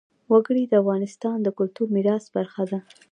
وګړي د افغانستان د کلتوري میراث برخه ده.